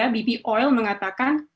bp oil mengatakan